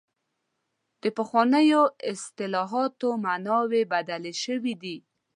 د پخوانیو اصطلاحاتو معناوې بدلې شوې دي.